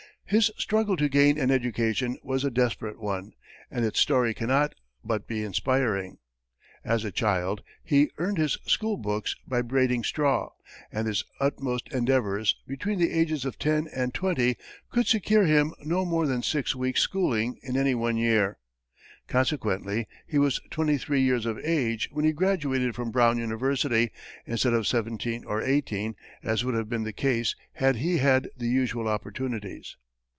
His struggle to gain an education was a desperate one, and its story cannot but be inspiring. As a child he earned his school books by braiding straw, and his utmost endeavors, between the ages of ten and twenty, could secure him no more than six weeks' schooling in any one year. Consequently he was twenty three years of age when he graduated from Brown University, instead of seventeen or eighteen, as would have been the case had he had the usual opportunities.